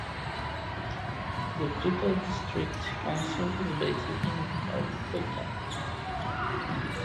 The Clutha District Council is based in Balclutha.